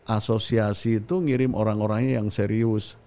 asosiasi itu ngirim orang orangnya yang serius